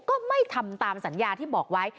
ก็ไม่ทำตามสัญญาที่บอกไว้